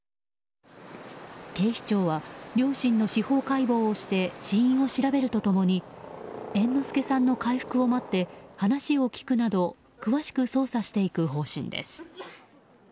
警視庁は両親の司法解剖をして死因を調べると共に猿之助さんの回復を待って話を聞くなど詳しく捜査していく方針です。